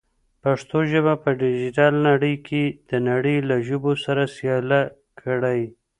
پښتو ژبه په ډیجیټل نړۍ کې د نړۍ له ژبو سره سیاله کړئ.